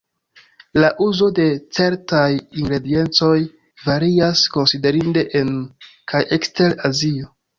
La uzo de certaj ingrediencoj varias konsiderinde en kaj ekster Azio.